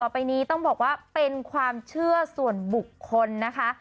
ไปนี้ต้องบอกว่าเป็นความเชื่อส่วนบุคคลนะคะ